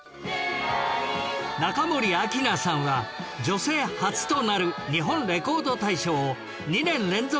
中森明菜さんは女性初となる日本レコード大賞を２年連続で受賞